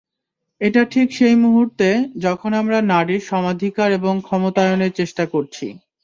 এটা ঠিক সেই মুহূর্তে, যখন আমরা নারীর সমাধিকার এবং ক্ষমতায়নের চেষ্টা করছি।